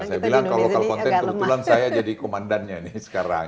nah saya bilang kalau lokal content kebetulan saya jadi komandannya ini sekarang